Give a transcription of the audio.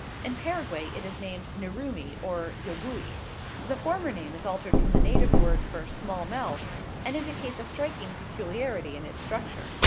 In Paraguay it is named Nurumi or Yogui. The former name is altered from the native word for small mouth, and indicates a striking peculiarity in its structure.